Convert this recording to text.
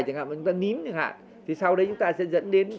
chúng ta ním sau đấy chúng ta sẽ dẫn đến